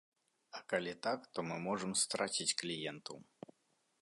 А калі так, то мы можам страціць кліентаў.